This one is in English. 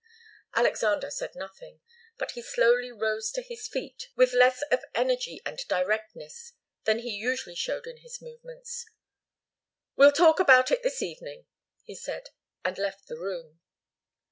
Alexander said nothing, but he slowly rose to his feet, with less of energy and directness than he usually showed in his movements. "We'll talk about it this evening," he said, and left the room.